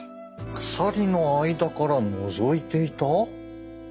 鎖の間からのぞいていた？